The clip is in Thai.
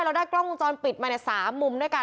เราได้กล้องมุมวงจรฟิตมา๓มุมด้วยค่ะ